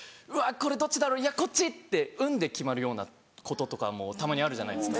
これどっちだろうこっち！って運で決まるようなこととかもたまにあるじゃないですか。